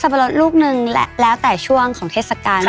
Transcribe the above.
สำหรับลูกหนึ่งแล้วแต่ช่วงของเทศกาล